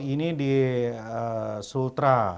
ini di sultra